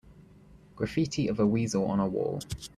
Graffiti of a weasel on a wall.